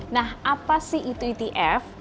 nah apa sih itu etf